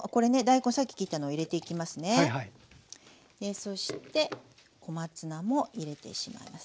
そして小松菜も入れてしまいます。